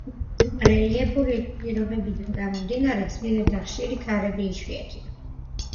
რელიეფური პირობებიდან გამომდინარე ძლიერი და ხშირი ქარები იშვიათია.